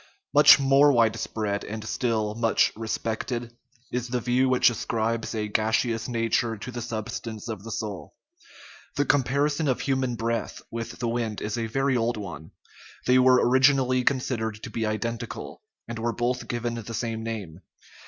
Much more widespread, and still much respected, is the view which ascribes a gaseous nature to the sub stance of the soul. The comparison of human breath with the wind is a very old one; they were originally considered to be identical, and were both given the same name.